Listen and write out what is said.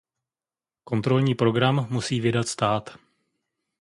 Kontrolní program musí vydat stát.